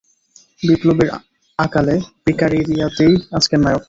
বিপ্লবের আকালে প্রিক্যারিয়েতই আজকের নায়ক।